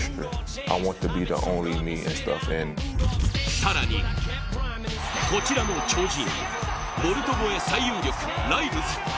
更にこちらも超人、ボルト超え最有力ライルズ。